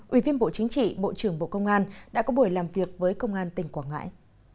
ủy viên bộ chính trị bộ trưởng bộ công an đã có buổi làm việc với công an tỉnh quảng ngãi